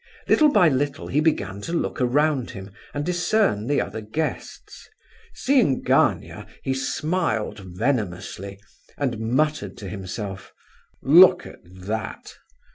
Little by little he began to look around him and discern the other guests. Seeing Gania, he smiled venomously and muttered to himself, "Look at that!"